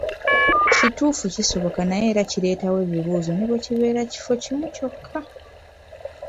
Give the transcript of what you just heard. Kituufu kisoboka naye era kireetawo ebibuuzo ne bwekibeera kifo kimu kyokka.